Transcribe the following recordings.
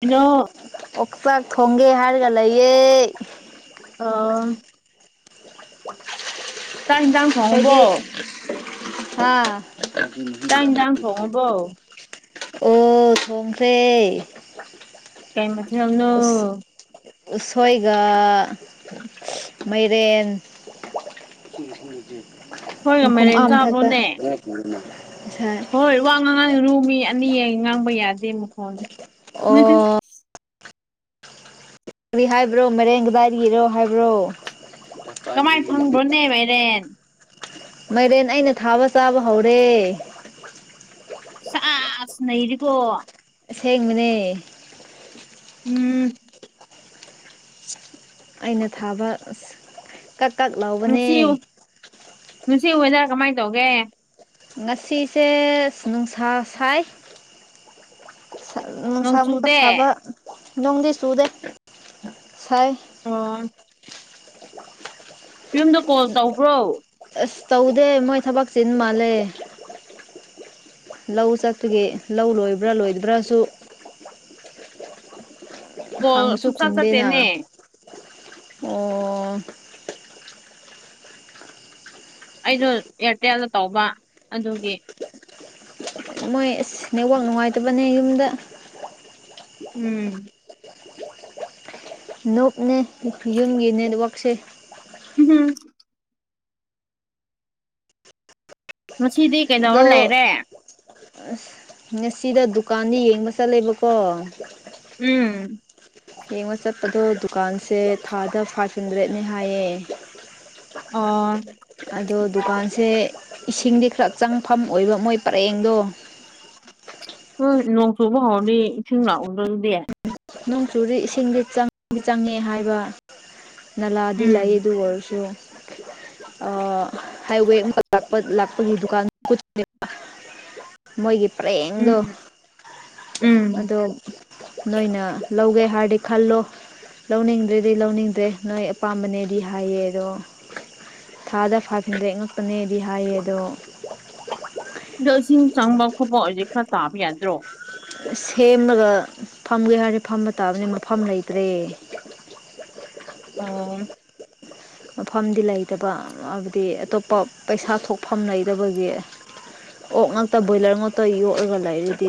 ꯏꯩꯅꯣ ꯑꯣꯛꯆꯥꯛ ꯊꯣꯡꯒꯦ ꯍꯥꯏꯔꯒ ꯂꯩꯌꯦ꯫ ꯑ ꯆꯥꯛ ꯌꯦꯟꯁꯥꯡ ꯑꯩꯈꯣꯏꯗꯤ ꯊꯣꯡꯉꯕꯣ ꯍꯥ ꯆꯥꯛ ꯌꯦꯟꯁꯥꯡ ꯊꯣꯡꯉꯕꯣ [unintelligible] ꯑꯣ ꯊꫭꯡꯈ꯭ꯔꯦ꯫ ꯀꯩ ꯃꯊꯦꯜꯅꯣ ꯎꯁꯣꯏꯒ ꯃꯩꯔꯦꯟ ꯎꯝ ꯎꯝ ꯎꯝ ꯁꯣꯏꯒ ꯃꯈꯨꯝ ꯃꯥꯏꯔꯦꯟ ꯑꯥ ꯃꯊꯛꯇ ꯆꯥꯕ꯭ꯔꯣꯅꯦ ꯉꯁꯥꯏ ꯍꯣꯏ ꯋꯥ ꯉꯥꯡꯉꯥꯔꯨ ꯃꯤ ꯑꯅꯤ ꯌꯦꯟ ꯉꯥꯡꯕ ꯌꯥꯗꯦ ꯃꯈꯣꯟ ꯑꯣ ꯀꯔꯤ ꯍꯥꯏꯕ꯭ꯔꯣ ꯃꯥꯏꯔꯦꯟ ꯀꯗꯥꯏꯒꯤꯔꯣ ꯍꯥꯏꯕ꯭ꯔꯣ ꯀꯃꯥꯏ ꯐꯪꯕ꯭ꯔꯣꯅꯦꯕ ꯃꯥꯏꯔꯦꯟ ꯃꯥꯏꯔꯦꯟ ꯑꯩꯅ ꯊꯥꯕ ꯆꯥꯕ ꯍꯧꯔꯦ꯫ ꯁꯥꯥꯖ ꯅꯩꯔꯦꯀꯣ ꯑꯁꯦꯡꯕꯅꯦ ꯎꯝ꯫ ꯑꯩꯅ ꯊꯥꯕ ꯑꯁ ꯀꯛ ꯀꯛ ꯂꯥꯎ ꯉꯁꯤ ꯑꯌꯨꯛ ꯉꯁꯤ ꯋꯦꯗ꯭ꯔ ꯀꯃꯥꯏ ꯇꯧꯒꯦ꯫ ꯉꯁꯤꯁꯦ ꯅꯨꯡꯁꯥ ꯁꯥꯏ꯫ ꯁꯥ ꯅꯣꯡ ꯅꯨꯡꯁꯥ ꯃꯨꯛꯀ ꯆꯨꯗꯦ ꯁꯥꯕ ꯅꫭꯡꯗꯤ ꯆꯨꯗꯦ ꯁꯥꯏ ꯑꯣ ꯌꯨꯝꯗꫭ ꯀꯣꯜ ꯇꯧꯕ꯭ꯔꯣ꯫ ꯑꯁ ꯇꯧꯗꯦ ꯃꯣꯏ ꯊꯕꯛ ꯆꯤꯟ ꯃꯥꯜꯂꯦ꯫ ꯂꯧ ꯆꯠꯄꯒꯤ ꯂꯧ ꯂꯣꯏꯕ꯭ꯔꯥ ꯂꯣꯏꯗꯕ꯭ꯔꯥꯁꯨ ꯀꯣꯜ ꯍꯥꯡꯁꯨ ꯁꯨꯡꯆꯠ ꯈꯨꯨꯝꯗꯦꯅ ꯆꯠꯇꯦꯅꯦ ꯑꯣ ꯑꯩꯗꯣ ꯑꯦꯌꯥꯔꯇꯦꯜꯗ ꯇꯧꯕ ꯑꯗꯨꯒꯤ ꯃꯣꯏ ꯑꯁ ꯅꯦꯠꯋꯥꯛ ꯅꯨꯡꯉꯥꯏꯇꯕꯅꯦ ꯌꯨꯝꯗ ꯎꯝ꯫ ꯅꯨꯞꯅꯦ ꯌꯨꯝꯒꯤ ꯅꯦꯠꯋꯥꯛꯁꯦ ꯎꯝ ꯍꯨꯝ ꯉꯁꯤꯗꯤ ꯀꯩꯗꯧꯔ ꯂꯩꯔꯦ꯫ ꯑꯁ ꯉꯁꯤꯗ ꯗꯨꯀꯥꯟꯗ ꯌꯦꯡꯕ ꯆꯠꯂꯦꯕꯀꯣ ꯎꯝ꯫ ꯌꯦꯡꯕ ꯆꯠꯄꯗꯣ ꯗꯨꯀꯥꯟꯁꯦ ꯊꯥꯗ ꯐꯥꯏꯚ ꯍꯟꯗ꯭ꯔꯦꯠꯅꯦ ꯍꯥꯏꯌꯦ ꯑꯣ ꯑꯗꯣ ꯗꯨꯀꯥꯟꯁꯦ ꯏꯁꯤꯡꯗꯤ ꯈꯔ ꯆꯪꯐꯝ ꯑꯣꯏꯕ ꯃꯣꯏ ꯄꯔꯦꯡꯗꯣ ꯎꯣꯏ ꯅꯣꯡ ꯆꯨꯕ ꯍꯧꯔꯗꯤ ꯏꯁꯤꯡ ꯂꯥꯛꯎꯗ꯭ꯔꯥꯗꯤ ꯅꯣꯡꯆꯨꯗꯤ ꯏꯁꯤꯡꯗꯤ ꯆꯪꯗꯤ ꯆꯪꯉꯦ ꯍꯥꯏꯕ ꯅꯂꯗꯤ ꯂꯩꯌꯦ ꯎꯝ ꯑꯗꯨ ꯑꯣꯏꯔꯁꯨ ꯍꯥꯏꯋꯦ ꯑꯃꯈꯛ ꯂꯥꯛꯄꯒꯤ ꯗꯨꯀꯥꯟ ꯃꯣꯏꯒꯤ ꯄꯔꯦꯡꯗꯣ ꯎꯝ ꯎꯝ ꯑꯗꯣ ꯅꯣꯏꯅ ꯂꯧꯒꯦ ꯍꯥꯏꯔꯗꯤ ꯈꯜꯂꯣ ꯂꯧꯅꯤꯡꯗ꯭ꯔꯦꯗꯤ ꯂꯧꯅꯤꯡꯗ꯭ꯔꯦ ꯅꯣꯏ ꯑꯄꯥꯝꯕꯅꯦꯗꯤ ꯍꯥꯏꯌꯦ ꯑꯗꯣ ꯊꯥꯗ ꯐꯥꯈꯤꯗ꯭ꯔꯦ ꯉꯛꯄꯅꯦꯗꯤ ꯍꯥꯏꯌꯦ ꯑꯗꯣ ꯑꯗꯣ ꯏꯁꯤꯡ ꯆꯪꯕ ꯈꯣꯠꯄ ꯍꯧꯖꯤꯛ ꯈꯔ ꯇꯥꯕ ꯌꯥꯗ꯭ꯔꯣ ꯁꯦꯝꯃꯒ ꯐꯝꯒꯦ ꯍꯥꯏꯔꯦ ꯐꯝꯕ ꯇꯥꯕꯅꯤꯅ ꯃꯐꯝ ꯂꯩꯇ꯭ꯔꯦ ꯑꯣꯝ ꯃꯐꯝꯗꯤ ꯂꯩꯇꯕ ꯍꯥꯏꯕꯗꯤ ꯑꯇꯣꯞꯄ ꯄꯩꯁꯥ ꯊꯣꯛꯐꯝ ꯂꯩꯇꯕꯒꯤ ꯑꯣꯛ ꯉꯥꯛꯛꯇ ꯕꯣꯏꯂꯔ ꯉꯛꯇꯣ ꯌꯣꯛꯑꯒ ꯂꯩꯔꯗꯤ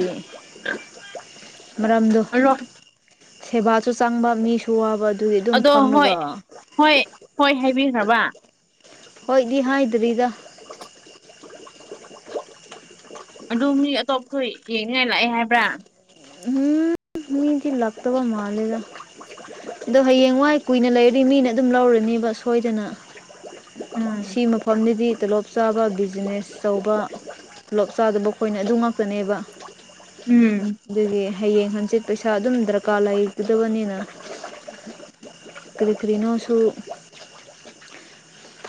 ꯃꯔꯝꯗꯣ ꯑꯗꯣ ꯁꯦꯕꯥꯁꯨ ꯆꯪꯕ ꯃꯤꯁꯨ ꯋꯥꯕ ꯑꯗꯨꯒꯤ ꯑꯗꯨꯝ ꯑꯗꯣ ꯍꯣꯏ ꯐꯝꯂꯒ ꯍꯣꯏ ꯍꯣꯏ ꯍꯥꯏꯕꯤꯈ꯭ꯔꯕ ꯍꯣꯏꯗꯤ ꯍꯥꯏꯗ꯭ꯔꯤꯗ ꯑꯗꯨ ꯃꯤ ꯑꯇꯣꯞꯄꯁꯨ ꯌꯦꯡꯅꯤꯡꯉꯥꯏ ꯂꯥꯛꯑꯦ ꯍꯥꯏꯕ꯭ꯔꯥ ꯎꯝ ꯃꯤꯗꯤ ꯂꯥꯛꯇꯧꯕ ꯃꯂꯦꯗ ꯑꯗꯣ ꯍꯌꯦꯡ ꯋꯥꯏ ꯀꯨꯏꯅ ꯂꯩꯔꯗꯤ ꯃꯤꯅ ꯑꯗꯨꯝ ꯂꯧꯔꯅꯦꯕ ꯁꯣꯏꯗꯅ ꯎꯝ ꯁꯤ ꯃꯐꯝꯅꯤꯗꯤ ꯇꯂꯣꯞ ꯆꯥꯕ ꯕꯤꯖꯤꯅꯦꯁ ꯇꯧꯕ ꯄꯨꯂꯞ ꯆꯥꯗꯕ ꯑꯩꯈꯣꯏꯅ ꯑꯗꯨꯃꯛꯇꯅꯦꯕ ꯎꯝ ꯑꯗꯨꯒꯤ ꯍꯌꯦꯡ ꯍꯪꯆꯤꯠ ꯄꯩꯁꯥ ꯑꯗꯨꯝ ꯗꯔꯀꯥꯔ ꯂꯩꯒꯗꯕꯅꯤꯅ ꯀꯔꯤ ꯀꯔꯤꯅꯣ ꯁꯨ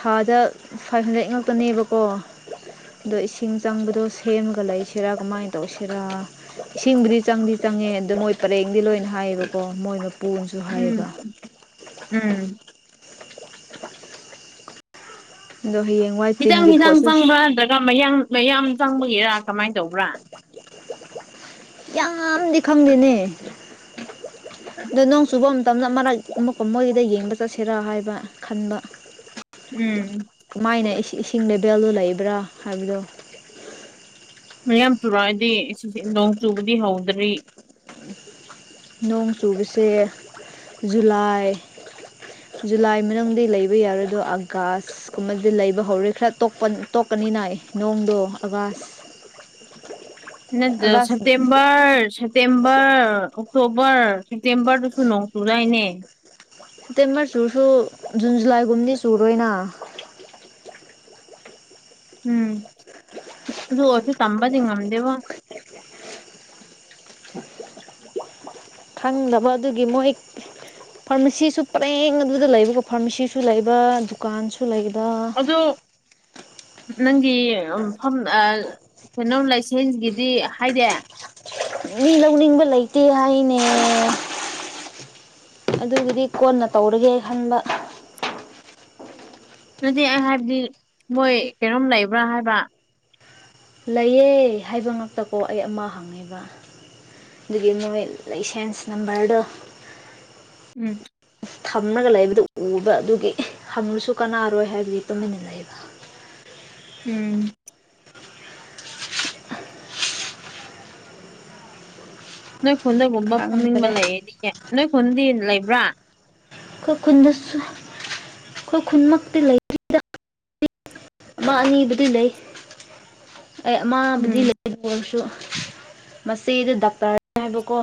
ꯊꯥꯗ ꯐꯥꯏꯚ ꯍꯟꯗ꯭ꯔꯦꯠ ꯉꯥꯛꯇꯅꯦꯕꯀꯣ ꯑꯗꯣ ꯏꯁꯤꯡ ꯆꯪꯕꯗꯣ ꯁꯦꯝꯒ ꯂꯩꯁꯤꯔꯥ ꯀꯃꯥꯏꯅ ꯇꯧꯁꯤꯔꯥ ꯏꯁꯤꯡꯕꯨꯗꯤ ꯆꯪꯗꯤ ꯆꯪꯉꯦ ꯑꯗ ꯃꯣꯏ ꯄꯔꯦꯡꯗꯤ ꯂꯣꯏꯅ ꯍꯥꯏꯌꯦꯕꯀꯣ ꯃꯣꯏꯅ ꯎꯝ ꯎꯝ ꯑꯗꯨ ꯍꯌꯦꯡ ꯈꯤꯇꯪ ꯈꯤꯇꯥꯡ ꯆꯪꯕ꯭ꯔꯥ ꯅꯠꯇ꯭ꯔꯒ ꯃꯌꯥꯡ ꯃꯌꯥꯝ ꯆꯪꯕꯒꯤꯔ ꯀꯃꯥꯏꯅ ꯇꯧꯕ꯭ꯔꯥ ꯌꯥꯝꯗꯤ ꯈꯪꯗꯦꯅꯦ ꯑꯗꯣ ꯅꯣꯡ ꯆꯨꯕ ꯃꯇꯝꯗ ꯃꯔꯛ ꯑꯃꯨꯛꯀ ꯃꯣꯏꯒꯤꯗ ꯌꯦꯡꯕ ꯆꯠꯁꯤꯔꯥ ꯍꯥꯏꯕ ꯈꯟꯕ ꯎꯝ ꯀꯃꯥꯏꯅ ꯏꯁꯤꯡ ꯂꯦꯕꯦꯜꯗꯨ ꯂꯩꯕ꯭ꯔꯥ ꯍꯥꯏꯕꯗꯣ ꯃꯌꯥꯝ ꯆꯨꯔꯛꯑꯗꯤ ꯁꯤꯁꯦ ꯅꯣꯡ ꯆꯨꯕꯗꯤ ꯍꯧꯗ꯭ꯔꯤ ꯅꯣꯡ ꯆꯨꯕꯁꯦ ꯖꯨꯂꯥꯏ ꯖꯨꯂꯥꯏ ꯃꯅꯨꯡꯗꯤ ꯂꯩꯕ ꯌꯥꯔꯣꯏꯗꯣ ꯑꯥꯒꯁ ꯁ ꯀꯨꯝꯕꯁꯦ ꯂꯩꯕ ꯍꯧꯔꯦ ꯈꯔ ꯇꯣꯛꯀꯅꯤꯅ ꯑꯩ ꯅꯣꯡꯗꯣ ꯑꯕꯥꯁ ꯅꯗ ꯑꯥꯒꯁ ꯁꯦꯞꯇꯦꯝꯕꯔ ꯁ ꯁꯦꯞꯇꯦꯝꯕꯔ ꯑꯣꯛꯇꯣꯕꯔ ꯁꯦꯞꯇꯦꯝꯕꯔꯗꯨꯁꯨ ꯅꯣꯡꯆꯨꯔꯏꯅꯦ ꯁꯦꯞꯇꯦꯝꯕꯔ ꯆꯨꯔꯁꯨ ꯖꯨꯟ ꯖꯨꯂꯥꯏꯒꯨꯝꯗꯤ ꯆꯨꯔꯣꯏꯅ ꯎꯝ ꯑꯗꯨ ꯑꯣꯏꯔꯁꯨ ꯇꯝꯕꯗꯤ ꯉꯝꯗꯦꯕꯣ ꯈꯪꯅꯕ ꯑꯗꯨꯒꯤ ꯃꯣꯏ ꯐꯥꯔꯃꯥꯁꯤꯁꯨ ꯄꯔꯦꯡ ꯑꯗꯨꯗ ꯂꯩꯕꯀꯣ ꯐꯥꯔꯃꯥꯁꯤꯁꯨ ꯂꯩꯕ ꯗꯨꯀꯥꯟꯁꯨ ꯂꯩꯕ ꯑꯗꯣ ꯅꯪꯒꯤ ꯎꯝ ꯃꯐ ꯑꯥ ꯀꯩꯅꯣꯝ ꯂꯥꯏꯁꯦꯟꯁꯒꯤꯗꯤ ꯍꯥꯏꯗꯦ ꯃꯤ ꯂꯧꯅꯤꯡꯕ ꯂꯩꯇꯦ ꯍꯥꯏꯅꯦ ꯑꯗꯨꯒꯤꯗꯤ ꯀꯣꯟꯅ ꯇꯧꯔꯒꯦ ꯈꯟꯕ ꯑꯗꯨꯗꯤ ꯑꯩ ꯍꯥꯏꯕꯗꯤ ꯃꯣꯏ ꯀꯩꯅꯣꯝ ꯂꯩꯕ꯭ꯔꯥ ꯍꯥꯏꯕ ꯂꯩꯌꯦ ꯍꯥꯏꯕ ꯉꯥꯛꯇꯀꯣ ꯑꯩ ꯑꯃ ꯍꯪꯉꯦꯕ ꯗꯨꯒꯤ ꯃꯣꯏ ꯂꯩꯁꯦꯟꯁ ꯅꯝꯕꯔꯗꯣ ꯎꯝ ꯊꯝꯂꯒ ꯂꯩꯕꯗꯨ ꯎꯕ ꯑꯗꯨꯒꯤ ꯍꯪꯂꯁꯨ ꯀꯥꯟꯅꯔꯣꯏ ꯍꯥꯏꯕꯒꯤ ꯇꯨꯃꯤꯟꯅ ꯂꯩꯕ ꯎꯝ ꯅꯣꯏ ꯈꯨꯟꯗꯒꯨꯝꯕ ꯐꯝꯅꯤꯡꯕ ꯈꯪꯗ꯭ꯔꯦ ꯂꯩꯔꯗꯤꯀꯦ ꯅꯣꯏ ꯈꯨꯟꯗꯤ ꯂꯩꯕ꯭ꯔꯥ ꯑꯩꯈꯣꯏ ꯈꯨꯟꯗꯁꯨ ꯑꯩꯈꯣꯏ ꯈꯨꯟꯃꯛꯇꯤ [unintelligible] ꯑꯃ ꯑꯅꯤꯕꯨꯗꯤ ꯂꯩ ꯑꯩ ꯎꯝ ꯑꯃꯕꯨꯗꯤ ꯂꯩ ꯑꯗꯨ ꯑꯣꯏꯔꯁꯨ ꯃꯆꯦꯗꯣ ꯗꯥꯛꯇꯔꯅꯤ ꯍꯥꯏꯕꯀꯣ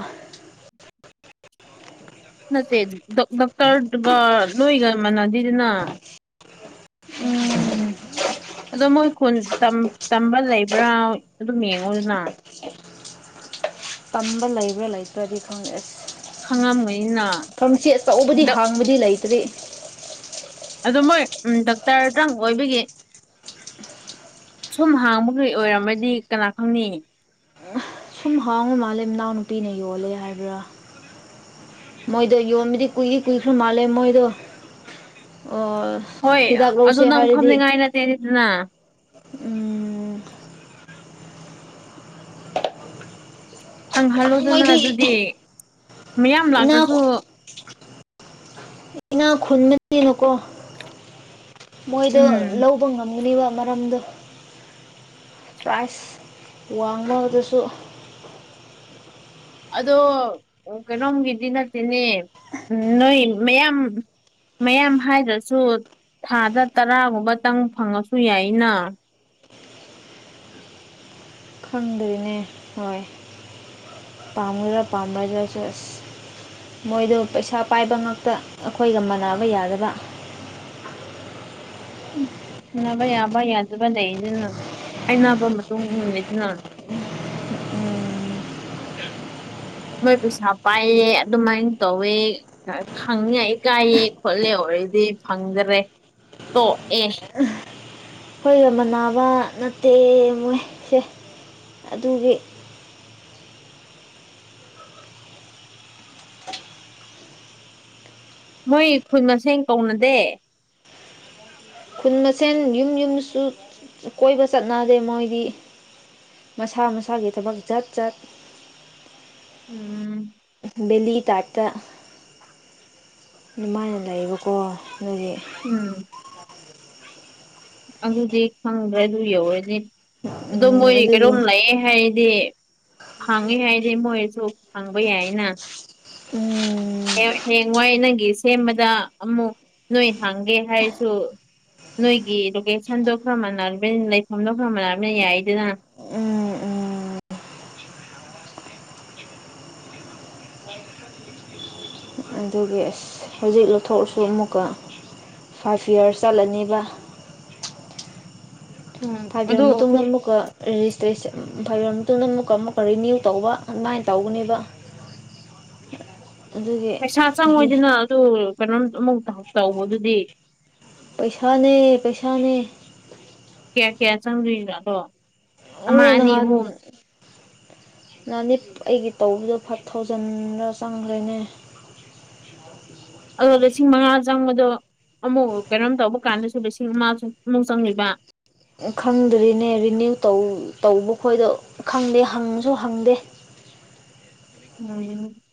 ꯅꯠꯇꯦ ꯗꯣꯛ ꯗꯣꯛꯇꯔꯗꯨꯒ ꯅꯣꯏꯒ ꯃꯥꯟꯅꯗꯦꯗꯅ ꯎꯝ ꯑꯗꯣ ꯃꯣꯏ ꯈꯨꯟ ꯇꯝ ꯇꯝꯕ ꯂꯩꯕ꯭ꯔꯥ ꯑꯗꯨꯝ ꯌꯦꯡꯉꯣꯗꯅ ꯇꯝꯕ ꯂꯩꯕ꯭ꯔꯥ ꯂꯩꯇ꯭ꯔꯗꯤ ꯈꯪꯗꯦ ꯑꯁ ꯈꯪꯉꯝꯒꯅꯤꯅ ꯐꯥꯔꯃꯁꯤ ꯑꯆꯧꯕꯗꯤ ꯗ ꯍꯥꯡ ꯕꯗꯤ ꯂꯩꯇ꯭ꯔꯤ ꯑꯗꯨ ꯃꯣꯏ ꯎꯝ ꯗꯥꯛꯇꯔ ꯇꯪ ꯑꯣꯏꯕꯒꯤ ꯁꯨꯝ ꯍꯥꯡꯕꯒꯤ ꯑꯣꯏꯔꯝꯃꯗꯤ ꯀꯅꯥ ꯈꯪꯅꯤ ꯁꯨꯝ ꯍꯥꯡꯕ ꯃꯥꯜꯂꯦ ꯃꯅꯥꯎ ꯅꯨꯄꯤꯅ ꯌꯣꯜꯂꯦ ꯍꯥꯏꯕ꯭ꯔꯥ ꯃꯣꯏꯗꯣ ꯌꯣꯟꯕꯗꯤ ꯀꯨꯏ ꯀꯨꯏꯈ꯭ꯔꯥ ꯃꯥꯜꯂꯦ ꯃꯣꯏꯗꯣ ꯑꯣ ꯍꯣꯏ ꯍꯤꯗꯥꯛ ꯑꯗꯨ ꯂꯧꯁꯦ ꯅꯪ ꯍꯥꯏꯔꯗꯤ ꯐꯝꯅꯤꯡꯉꯥꯏ ꯅꯠꯇꯦꯗꯅ ꯎꯝ ꯍꯪꯍꯜꯂꯣꯗꯅ ꯃꯣꯏꯗꯤ ꯑꯗꯨꯗꯤ ꯃꯤꯌꯥꯝ ꯏꯅꯥ ꯂꯥꯛꯇ꯭ꯔꯁꯨ ꯏꯅꯥꯛ ꯈꯨꯟꯕꯅꯤꯅꯀꯣ ꯃꯣꯏꯗꯣ ꯎꯝ ꯂꯧ ꯄ ꯉꯝꯒꯅꯤꯕ ꯃꯔꯝꯗꯨ ꯄ꯭ꯔꯥꯏꯖ [unintelligible] ꯑꯗꯨꯁꯨ ꯑꯗꯣ ꯀꯩꯅꯣꯝꯒꯤꯗꯤ ꯅꯠꯇꯦꯅꯦ ꯅꯣꯏ ꯃꯌꯥꯝ ꯃꯌꯥꯝ ꯍꯥꯏꯗ꯭ꯔꯁꯨ ꯊꯥꯗ ꯇꯔꯥꯒꯨꯝꯕꯇꯪ ꯐꯪꯉꯁꯨ ꯌꯥꯏꯅ ꯈꯪꯗꯦꯅꯦ ꯍꯣꯏ [unintelligible] [unintelligible] ꯄꯥꯝꯕꯗꯁꯨ ꯑꯁ ꯃꯣꯏꯗꯨ ꯄꯩꯁꯥ ꯄꯥꯏꯕ ꯉꯥꯛꯇ ꯑꯩꯈꯣꯏꯒ ꯃꯥꯟꯅꯕ ꯌꯥꯗꯕ ꯃꯥꯟꯅꯕ ꯌꯥꯕ ꯌꯥꯗꯕ ꯂꯩꯗꯅ ꯍꯥꯏꯅꯕ ꯃꯇꯨꯡ ꯏꯟꯅ ꯂꯩꯗꯅ ꯃꯣꯏ ꯄꯩꯁꯥ ꯄꯥꯏꯌꯦ ꯑꯗꯨꯃꯥꯏꯟ ꯇꯧꯋꯦ ꯈꯪꯅꯤꯉꯥꯏ ꯏꯀꯥꯏꯌꯦ ꯈꯣꯠꯂꯦ ꯑꯣꯏꯔꯗꯤ ꯐꯪꯗ꯭ꯔꯦ ꯇꯣꯛꯑꯦ ꯑꯩꯈꯣꯏꯒ ꯃꯥꯟꯅꯕ ꯅꯠꯇꯦ ꯃꯣꯏꯁꯦ ꯑꯗꯨꯒꯤ ꯃꯣꯏ ꯈꯨꯟ ꯃꯁꯦꯟ ꯀꯧꯅꯗꯦ ꯈꯨꯟ ꯃꯁꯦꯟ ꯌꯨꯝ ꯌꯨꯝꯗꯁꯨ ꯀꯣꯏꯕ ꯆꯠꯅꯗꯦ ꯃꯣꯏꯗꯤ ꯃꯁꯥ ꯃꯁꯥꯒꯤ ꯊꯕꯛ ꯆꯠ ꯆꯠ ꯎꯝ ꯕꯦꯂꯤ ꯇꯥꯏꯞꯇ ꯑꯗꯨꯃꯥꯏꯅ ꯂꯩꯕꯀꯣ ꯑꯗꯨꯒꯤ ꯎꯝ ꯑꯗꯨꯗꯤ ꯈꯪꯗ꯭ꯔꯦ ꯑꯗꯨ ꯌꯧꯔꯗꯤ ꯑꯗꯣ ꯃꯣꯏ ꯑꯗꯨꯒꯤ ꯀꯩꯅꯣꯝ ꯂꯩꯌꯦ ꯍꯥꯏꯔꯗꯤ ꯍꯥꯡꯉꯦ ꯍꯥꯏꯗꯤ ꯃꯣꯏꯁꯨ ꯍꯥꯡꯕ ꯌꯥꯏꯅ ꯍꯌꯦꯡ ꯍꯌꯦꯡꯋꯥꯏ ꯅꯪꯒꯤ ꯁꯦꯝꯕꯗ ꯑꯃꯨꯛ ꯅꯣꯏ ꯍꯥꯡꯒꯦ ꯍꯥꯏꯔꯁꯨ ꯅꯣꯏꯒꯤ ꯁꯟꯗꯣꯛꯈ꯭ꯔ ꯃꯥꯟꯅꯔꯕꯅꯤꯅ ꯂꯩꯐꯝꯗꯣ ꯈ꯭ꯔ ꯃꯥꯟꯅꯔꯕꯅꯤꯅ ꯌꯥꯏꯗꯅ ꯑꯗꯨꯒꯤ ꯑꯁ ꯍꯧꯖꯤꯛ ꯂꯧꯊꯣꯛꯑꯁꯨ ꯑꯃꯨꯛꯀ ꯐꯥꯏꯚ ꯌꯔꯁ ꯆꯠꯂꯅꯤꯕ ꯎꯝ ꯑꯗꯨ ꯊꯥꯕꯤꯔꯕ ꯑꯗꯨ ꯃꯇꯨꯡꯗ ꯑꯃꯨꯛꯀ ꯔꯦꯖꯤꯁꯇ꯭ꯔꯦꯁꯟ [unintelligible] ꯃꯇꯨꯡꯗ ꯑꯃꯨꯛꯀ ꯑꯃꯨꯛꯀ ꯔꯤꯅꯤꯌꯨ ꯇꯧꯕ ꯑꯗꯨꯃꯥꯏꯅ ꯇꯧꯒꯅꯦꯕ ꯑꯗꯨꯒꯤ ꯄꯩꯁꯥ ꯆꯪꯉꯣꯏꯗꯅ ꯑꯗꯨ ꯀꯩꯅꯣꯝ ꯑꯃꯨꯛ [unintelligible] ꯇꯧꯕꯗꯨꯗꯤ ꯄꯩꯁꯥꯅꯦ ꯄꯩꯁꯥꯅꯦ ꯀ꯭ꯌꯥ ꯀ꯭ꯌꯥ ꯆꯪꯗ꯭ꯌꯨꯖꯥꯠꯅꯣ ꯃꯣꯏ ꯅꯥꯍꯟ ꯅꯍꯟꯅꯤ ꯑꯩꯒꯤ ꯇꯧꯕꯗꯣ ꯐꯥꯏꯚ ꯊꯥꯎꯖꯟꯗꯔ ꯆꯪꯈꯒ꯭ꯔꯦꯅꯦ ꯑꯗꯣ ꯂꯤꯁꯤꯡ ꯃꯉꯥ ꯆꯪꯕꯗꯣ ꯑꯃꯨꯛ ꯀꯩꯅꯣꯝ ꯇꯧꯕ ꯀꯥꯟꯗꯁꯨ ꯂꯤꯁꯤꯡ ꯑꯃꯁꯨ ꯑꯃꯨꯛ ꯆꯪ [unintelligible] ꯕ ꯈꯪꯗ꯭ꯔꯤꯅꯦ ꯔꯤꯅꯤꯌꯨ ꯇꯧꯕ ꯇꯧꯕ ꯈꯣꯏꯗꯨ ꯈꯪꯗꯦ ꯍꯪꯁꯨ ꯍꯪꯗꯦ [unintelligible]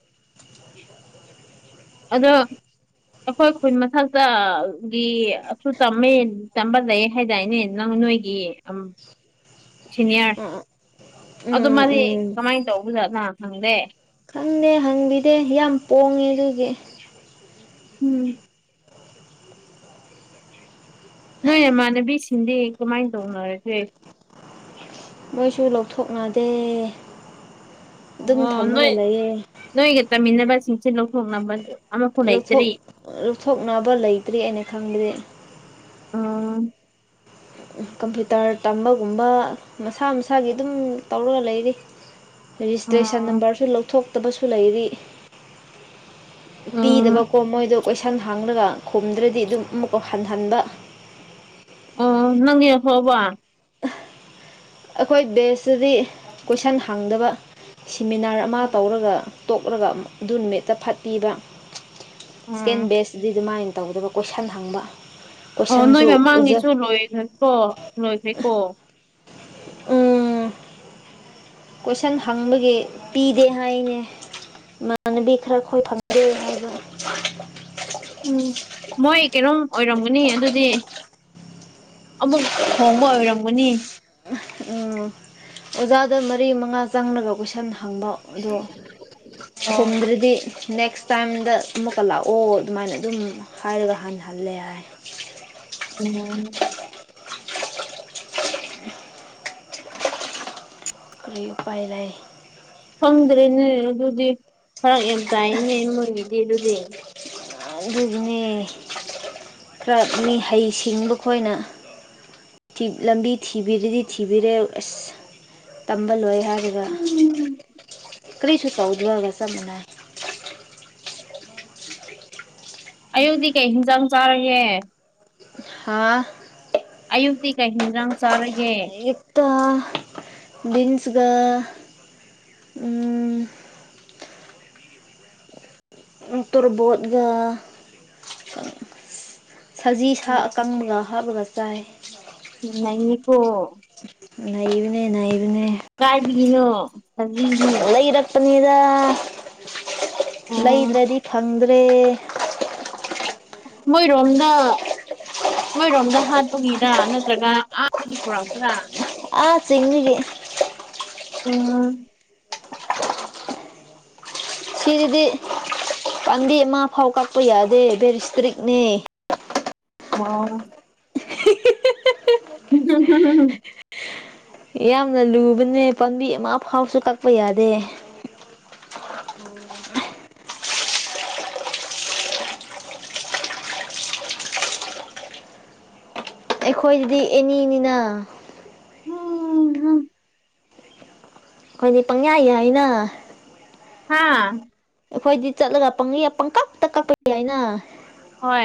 ꯑꯗꯣ ꯑꯩꯈꯣꯏ ꯈꯨꯟ ꯃꯊꯛꯇ ꯒꯤ [unintelligible] ꯇꯝꯕ ꯂꯩꯌꯦ ꯍꯥꯏꯗꯥꯏꯅꯦ ꯅꯪ ꯅꯣꯏ [unintelligible] ꯑ ꯁꯤꯅꯤꯌꯔ ꯑꯗꯨ ꯎꯝ ꯃꯥꯗꯤ ꯎꯝ ꯀꯃꯥꯏꯟ ꯇꯧꯕꯖꯥꯠꯅ ꯍꯪ ꯗꯦ [unintelligible] ꯍꯪꯕꯤꯗꯦ ꯌꯥꯝ ꯄꯣꯡꯉꯦ ꯑꯗꯨꯒꯤ ꯎꯝ ꯅꯣꯏ ꯅꯃꯥꯟꯅꯕꯤꯁꯤꯡꯗꯤ ꯀꯃꯥꯏꯟ ꯇꯧꯅꯔ [unintelligible] ꯃꯣꯏꯁꯨ ꯂꯧꯊꯣꯛꯅꯗꯦ ꯑꯗꯨꯝ [unintelligible] ꯅꯣꯏ ꯊꯝꯃꯒ ꯂꯩꯌꯦ ꯅꯣꯏꯒꯤ ꯇꯝꯃꯤꯟꯅꯕꯁꯤꯡꯁꯨ ꯂꯧꯊꯣꯛꯅꯕꯗꯨ ꯂꯧꯊꯣꯛ ꯂꯧꯊꯣꯛꯅꯕ ꯂꯩꯇ꯭ꯔꯤ ꯑꯩꯅ ꯈꯪꯕꯗꯤ ꯑꯣ ꯀꯝꯄ꯭ꯌꯨꯇꯔ ꯇꯝꯕꯒꯨꯝꯕ ꯃꯁꯥ ꯃꯁꯥꯒꯤ ꯑꯗꯨꯝ ꯇꯧꯔꯒ ꯂꯩꯔꯤ ꯔꯦꯖꯤꯁꯇ꯭ꯔꯦꯁꯟ ꯑꯣ ꯅꯝꯕꯔꯁꯨ ꯂꯧꯊꯣꯛꯇꯕꯁꯨ ꯂꯩꯔꯤ ꯄꯤꯗꯕꯀꯣ ꯃꯣꯏꯗꯣ ꯀꯣꯏꯁꯪ ꯍꯡꯂꯒ ꯈꯨꯝꯗ꯭ꯔꯗꯤ ꯑꯗꯨꯝ ꯑꯃꯨꯛꯀꯥ ꯍꯟꯍꯟꯕ [unintelligible] ꯅꯪꯗꯤ ꯂꯧꯊꯣꯛꯑꯕ ꯑꯩꯈꯣꯏ ꯕꯦꯁꯇꯗꯤ ꯀꯣꯏꯁꯟ ꯍꯡꯗꯕ ꯁꯤꯃꯤꯅꯥꯔ ꯑꯃ ꯇꯧꯔꯒ ꯇꯣꯛꯂꯒ ꯑꯗꯨ ꯅꯨꯃꯤꯠꯇ ꯐꯠꯄꯤꯕ ꯁꯤꯀꯦꯟ ꯎꯝ ꯕꯦꯁꯇꯗꯤ ꯑꯗꯨꯃꯥꯏꯅ [unintelligible] ꯇꯧꯔꯒ ꯀꯣꯏꯁꯟ ꯍꯪꯕ ꯑꯣ ꯅꯣꯏ ꯀꯣꯏꯁꯟꯁꯨ ꯑꯣꯖꯥ ꯃꯃꯥꯡꯒꯤꯁꯨ ꯂꯣꯏ [unintelligible] ꯀꯣ ꯂꯣꯏꯈ꯭ꯔꯦꯀꯣ ꯎꯝ ꯀꯣꯏꯁꯟ ꯍꯪꯕꯒꯤ ꯄꯤꯗꯦ ꯍꯥꯏꯅꯦ ꯏꯃꯥꯅꯕꯤ ꯈꯔ ꯈꯣꯏ ꯐꯪꯗꯦ ꯍꯥꯏꯕ ꯎꯝ ꯃꯣꯏ ꯀꯩꯅꯣꯝ ꯑꯣꯏꯔꯝꯒꯅꯤ ꯑꯗꯨꯗꯤ ꯑꯃꯨꯛ ꯍꯣꯡꯕ ꯑꯣꯏꯔꯝꯒꯅꯤ ꯎꯝ ꯑꯣꯖꯥꯗ ꯃꯔꯤ ꯃꯉꯥ ꯆꯪꯂꯒ ꯀꯣꯏꯁꯟ ꯍꯪꯕ ꯑꯗꯣ ꯑꯣ ꯁꯤꯟꯗ꯭ꯔꯗꯤ ꯅꯦꯛꯁ ꯇꯥꯏꯝꯗ ꯑꯃꯨꯛꯀ ꯂꯥꯛꯑꯣ ꯑꯗꯨꯃꯥꯏꯅ ꯑꯗꯨꯝ ꯍꯥꯏꯔꯒ ꯍꯟꯍꯜꯂꯦ ꯍꯥꯏ [unintelligible] ꯀꯔꯤ ꯎꯄꯥꯏ ꯂꯩ ꯈꯪꯗ꯭ꯔꯦꯅꯦ ꯑꯗꯨꯗꯤ ꯐꯔꯛ ꯌꯥꯝ ꯇꯥꯏꯏꯅꯦ ꯅꯣꯏꯒꯤꯗꯤ ꯑꯗꯨꯗꯤ ꯑꯗꯨꯅꯦ ꯈꯔ ꯃꯤ ꯍꯩꯁꯤꯡꯕ ꯈꯣꯏꯅ [unintelligible] ꯂꯝꯕꯤ ꯊꯤꯕꯤꯗꯤ ꯊꯤꯕꯤꯔꯦ ꯑꯁ ꯇꯝꯕ ꯂꯣꯏ ꯍꯥꯏ ꯍꯥꯏꯔꯒ ꯀꯔꯤꯁꯨ ꯇꯧꯗꯕꯒ ꯆꯞ ꯃꯥꯟꯅꯩꯌꯦ ꯑꯌꯨꯛꯛꯇꯤ ꯀꯩ ꯍꯤꯟꯖꯥꯡ ꯆꯥꯔꯒꯦ? ꯍꯥꯥ ꯑꯌꯨꯛꯇꯤ ꯀꯩ ꯍꯤꯟꯖꯥꯡ ꯆꯥꯔꯒꯦ? ꯑꯌꯦꯛꯇ ꯕꯤꯟꯁꯒ ꯎꯝ ꯇꯨꯔꯕꯣꯠꯒ ꯁꯖꯤ ꯁꯥ ꯑꯀꯪꯕꯒ ꯍꯥꯞꯄꯒ ꯆꯥꯏ꯫ ꯅꯩꯏꯀꯣ ꯅꯩꯕꯅꯦ ꯅꯩꯕꯅꯦ ꯀꯥꯏꯗꯒꯤꯅꯣ? ꯍꯧꯖꯤꯗꯤ ꯂꯩꯔꯛꯄꯅꯤꯗ ꯑꯣ ꯂꯩꯗ꯭ꯔꯗꯤ ꯐꯪꯗ꯭ꯔꯦ꯫ ꯃꯣꯏ ꯔꯣꯝꯗ ꯃꯣꯏꯔꯣꯝꯗ ꯍꯥꯠꯄꯒꯤꯔꯥ ꯅꯠꯇ꯭ꯔꯒ ꯑꯥ ꯄꯨꯔꯛꯄꯔꯥ꯫ ꯑ ꯆꯤꯡꯗꯒꯤ ꯑꯣ ꯁꯤꯁꯤꯗꯤ ꯄꯥꯝꯕꯤ ꯑꯃ ꯐꯥꯎ ꯀꯛꯄ ꯌꯥꯗꯦ ꯕꯦꯔꯤ ꯏꯁꯇ꯭ꯔꯤꯛꯅꯦ꯫ ꯑꯣ [unintelligible] ꯌꯥꯝꯅ ꯂꯨꯕꯅꯦ ꯄꯥꯝꯕꯤ ꯑꯃ ꯐꯥꯎꯁꯨ ꯀꯛꯄ ꯌꯥꯗꯦ꯫ ꯑꯣ ꯑꯩꯈꯣꯏꯗꯗꯤ ꯑꯦꯅꯤꯅꯤꯅ ꯎꯝꯝ ꯍꯝ ꯑꯩꯈꯣꯏꯗꯤ ꯄꯪꯌꯥꯏ ꯌꯥꯏꯅ ꯍꯥꯥ ꯑꯩꯈꯣꯏꯗꯤ ꯆꯠꯂꯒ ꯄꯪ ꯄꯪꯀꯇ ꯀꯛꯄ ꯌꯥ ꯌꯥꯏꯅ꯫ ꯍꯣꯏ